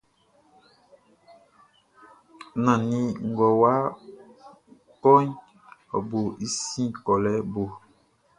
Nannin ngʼɔ́ wá kɔ́ʼn, ɔ bo i sin kɔlɛ bo.